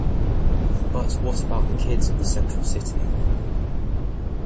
But what about the kids of the central city?...